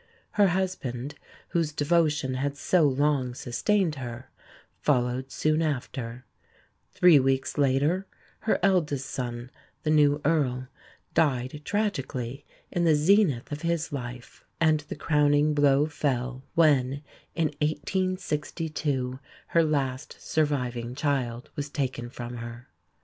Her husband, whose devotion had so long sustained her, followed soon after; three weeks later her eldest son, the new Earl, died tragically in the zenith of his life; and the crowning blow fell when, in 1862, her last surviving child was taken from her.